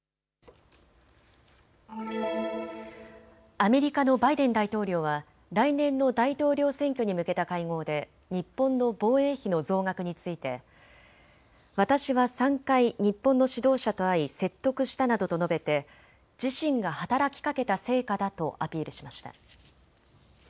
アメリカのバイデン大統領は来年の大統領選挙に向けた会合で日本の防衛費の増額について私は３回、日本の指導者と会い説得したなどと述べて自身が働きかけた成果だとアピールしました。